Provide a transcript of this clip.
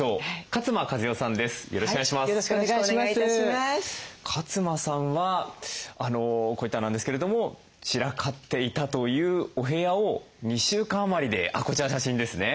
勝間さんはこう言ってはなんですけれども散らかっていたというお部屋を２週間余りでこちらの写真ですね。